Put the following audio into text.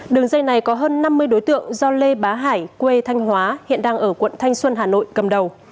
đường dây này có hơn năm mươi đối tượng do lê bá hải quê thanh hóa hiện đang ở quận thanh xuân hà nội cầm đầu